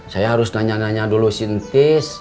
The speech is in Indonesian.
saya harus nanya nanya dulu si tis